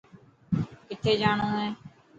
ڪٿي جاڻو هي.